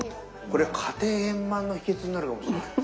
これ家庭円満の秘けつになるかもしれません。